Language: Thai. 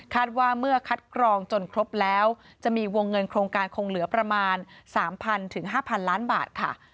ว่าเมื่อคัดกรองจนครบแล้วจะมีวงเงินโครงการคงเหลือประมาณ๓๐๐๕๐๐ล้านบาทค่ะ